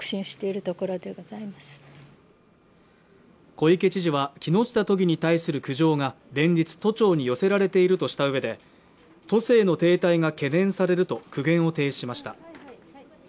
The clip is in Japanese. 小池知事は、木下都議に対する苦情が連日、都庁に寄せられているとしたうえで、都政の停滞が懸念されると苦言を呈しました。